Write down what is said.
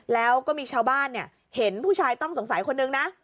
แล้วก็มีชาวบ้านเห็นผู้ชายต้องสงสัยคนนึงนะ